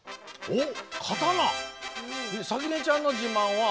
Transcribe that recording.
おっ！